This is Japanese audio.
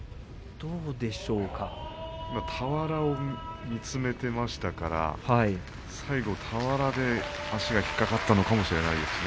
今、俵を見つめていましたから俵に足が引っ掛かったのかもしれませんね。